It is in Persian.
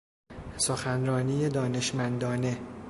سخنرانی دانشمندانه